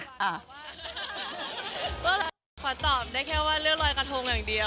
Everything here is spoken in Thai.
ขอตอบได้แค่ว่าเลือกรอยกระทงอย่างเดียว